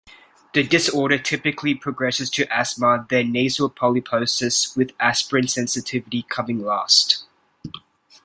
The disorder typically progresses to asthma, then nasal polyposis, with aspirin sensitivity coming last.